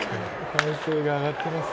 歓声が上がってます。